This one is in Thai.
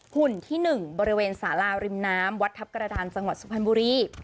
หุ่นที่๑บริเวณสาราริมน้ำวัดทัพกระดานจังหวัดสุพรรณบุรี